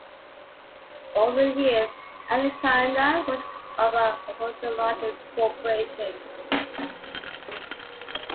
Over the years, Anaconda was owned by assorted larger corporations.